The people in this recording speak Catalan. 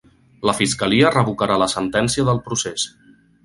La fiscalia revocarà la sentència del procés